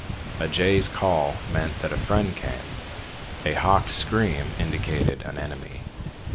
A jay's call meant that a friend came; a hawk's scream indicated an enemy.